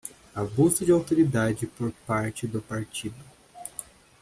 Abuso de autoridade por parte do partido.